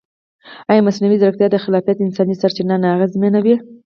ایا مصنوعي ځیرکتیا د خلاقیت انساني سرچینه نه اغېزمنوي؟